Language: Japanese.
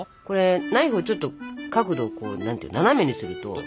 これナイフをちょっと角度を斜めにすると。